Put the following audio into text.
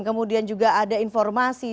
kemudian juga ada informasi